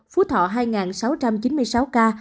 phú thọ hai sáu trăm chín mươi sáu ca